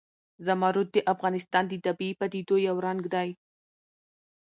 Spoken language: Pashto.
زمرد د افغانستان د طبیعي پدیدو یو رنګ دی.